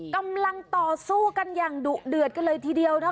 กำลังต่อสู้กันอย่างดุเดือดกันเลยทีเดียวนะ